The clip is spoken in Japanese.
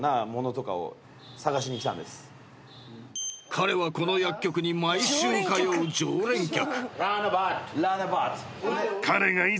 ［彼はこの薬局に毎週通う常連客］